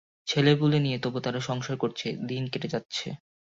ছেলেপুলে নিয়ে তবু তারা সংসার করছে, দিন কেটে যাচ্ছে।